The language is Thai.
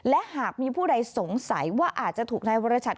และหากมีผู้ใดสงสัยว่าอาจจะถูกนายวรชัด